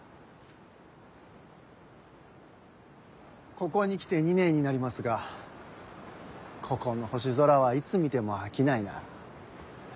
・ここに来て２年になりますがここの星空はいつ見ても飽きないな。